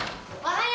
はい。